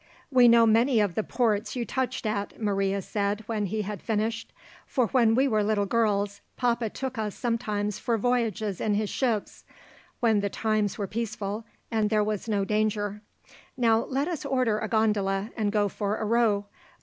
"We know many of the ports you touched at," Maria said when he had finished, "for when we were little girls, papa took us sometimes for voyages in his ships, when the times were peaceful and there was no danger. Now let us order a gondola, and go for a row.